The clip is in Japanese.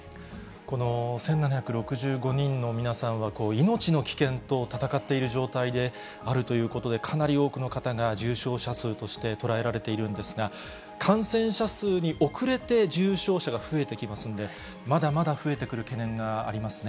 この１７６５人の皆さんは、命の危険と闘っている状態であるということで、かなり多くの方が重症者数として捉えられているんですが、感染者数に遅れて重症者が増えてきますんで、まだまだ増えてくる懸念がありますね。